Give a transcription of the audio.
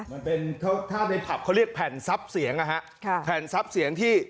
มันเป็นถ้าในผับเขาเรียกแผ่นทรัพย์เสียงนะฮะค่ะแผ่นซับเสียงที่